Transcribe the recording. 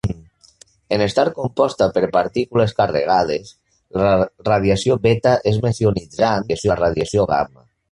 En estar composta per partícules carregades, la radiació beta és més ionitzant que la radiació gamma.